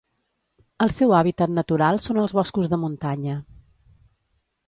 El seu hàbitat natural són els boscos de muntanya.